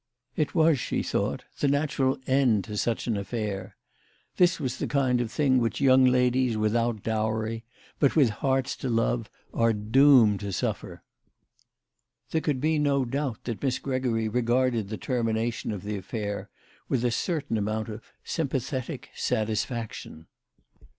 It was, she thought, the natural end to such an affair. This was the kind of thing which young ladies without dowry, but with hearts to love, are doomed to suffer. There could be no doubt that Miss Gregory regarded the termination of the affair with a certain amount of sympathetic 174 THE LADY OF LATJNAY. satisfaction.